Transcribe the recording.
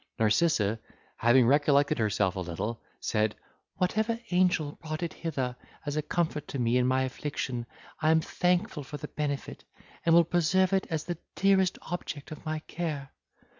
Narcissa, having recollected herself a little, said, "Whatever angel brought it hither as a comfort to me in my affliction, I am thankful for the benefit, and will preserve it as the dearest object of my care."